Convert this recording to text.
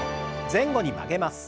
前後に曲げます。